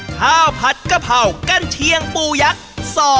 ข้าวผัดกะเพรากั้นเชียงปูยักษ์